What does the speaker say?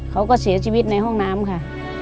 เขาก็เสียชีวิตในห้องน้ำค่ะ